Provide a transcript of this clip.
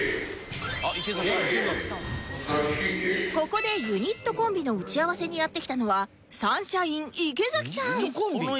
ここでユニットコンビの打ち合わせにやって来たのはサンシャイン池崎さん